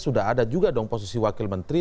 sudah ada juga dong posisi wakil menteri